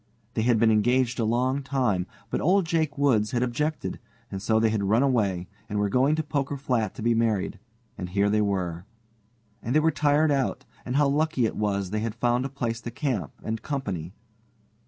They had been engaged a long time, but old Jake Woods had objected, and so they had run away, and were going to Poker Flat to be married, and here they were. And they were tired out, and how lucky it was they had found a place to camp and company.